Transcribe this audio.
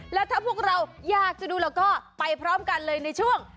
แล้วถ้าพวกเราอยากจะดูแล้วก็ไปพร้อมกันเลยในช่วง